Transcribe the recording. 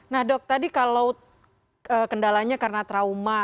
nah dok tadi kalau kendalanya karena trauma